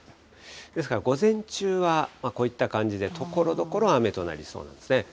ですから午前中はこういった感じで、ところどころ雨となりそうなんですね。